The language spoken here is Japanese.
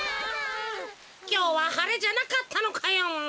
きょうははれじゃなかったのかよ。